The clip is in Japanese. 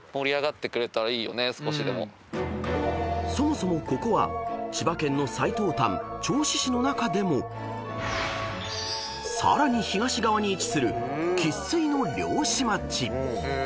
［そもそもここは千葉県の最東端銚子市の中でもさらに東側に位置する生粋の漁師街］